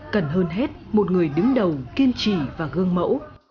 cần hơn hết một người đứng đầu kiên trì và gương mẫu